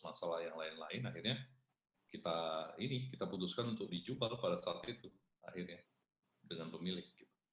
masalah yang lain lain akhirnya kita ini kita putuskan untuk dijubel pada saat itu akhirnya dengan pemilik